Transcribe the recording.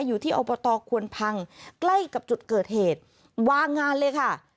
อยู่ที่อบตควนพังใกล้กับจุดเกิดเหตุวางงานเลยค่ะ